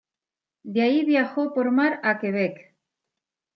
De ahí viajó por mar a Quebec.